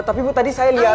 tapi bu tadi saya liat